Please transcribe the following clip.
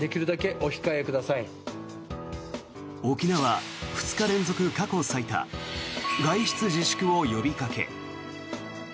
沖縄、２日連続過去最多外出自粛を呼びかけ。